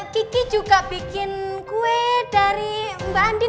keke juga bikin kue dari mbak andin